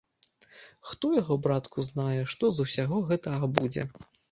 Хто яго, братку, знае, што з усяго гэтага будзе?